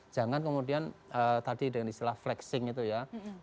jangan kemudian tadi dengan istilah flexing itu ya